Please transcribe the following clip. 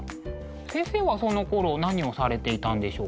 先生はそのころ何をされていたんでしょうか？